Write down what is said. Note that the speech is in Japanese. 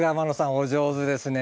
お上手ですね。